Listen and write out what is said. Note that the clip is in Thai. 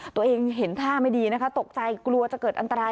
ตัวเองเห็นท่าไม่ดีนะคะตกใจกลัวจะเกิดอันตราย